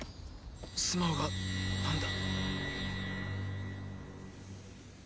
スマホがなんだ？